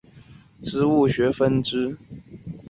苔藓学科学研究的植物学分支。